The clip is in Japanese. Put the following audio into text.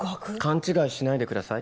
勘違いしないでください